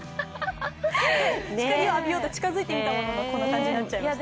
光を浴びようと近づいてみたもののこんな感じになっちゃいました。